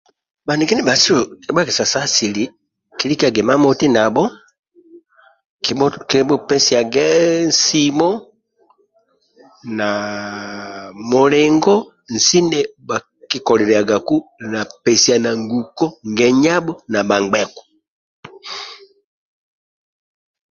Bhaniki ndibhasu egesabho sa asili kibhupesiage nsimo na mulingo nesi koliliagaku pesiana nguko ngenyabho na bhangbheku